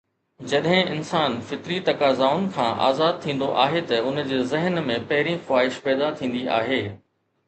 جڏهن انسان فطري تقاضائن کان آزاد ٿيندو آهي ته ان جي ذهن ۾ پهرين خواهش پيدا ٿيندي آهي.